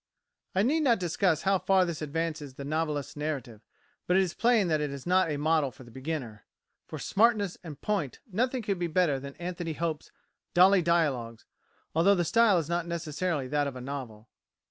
I need not discuss how far this advances the novelist's narrative, but it is plain that it is not a model for the beginner. For smartness and "point" nothing could be better than Anthony Hope's "Dolly Dialogues," although the style is not necessarily that of a novel.